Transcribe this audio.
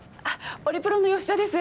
オリプロの吉田です。